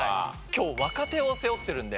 今日若手を背負ってるんで。